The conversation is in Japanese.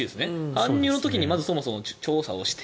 搬入の時にまずそもそも調査して。